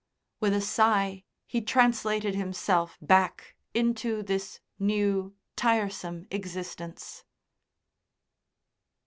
With a sigh he translated himself back into this new, tiresome existence.